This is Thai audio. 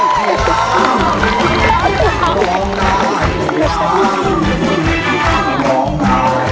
ทรัพย์ที่คุณก่อน